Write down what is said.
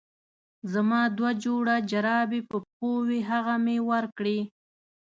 زما دوه جوړه جرابې په پښو وې هغه مې ورکړې.